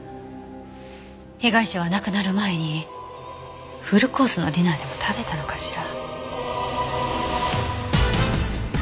被害者は亡くなる前にフルコースのディナーでも食べたのかしら？